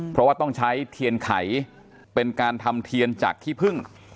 เพราะว่าต้องใช้เทียนไขเป็นการทำเทียนจากขี้พึ่ง